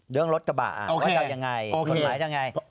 เรื่องรถกระบะว่าจะเอายังไงกฎหมายจะยังไง